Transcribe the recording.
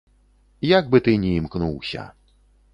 Як бы ты ні імкнуўся.